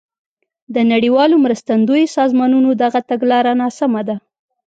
د نړیوالو مرستندویو سازمانونو دغه تګلاره ناسمه ده.